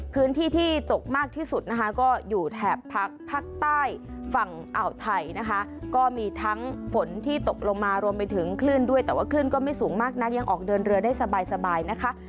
พื้นที่ที่ตกมากที่สุดนะคะก็อยู่แถบภาคใต้ฝั่งอ่าวไทยนะคะก็มีทั้งฝนที่ตกลงมารวมไปถึงคลื่นด้วยแต่ว่าคลื่นก็ไม่สูงมากนักยังออกเดินเรือได้สบายนะคะ